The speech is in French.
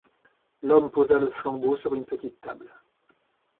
L’homme posa le flambeau sur une petite table.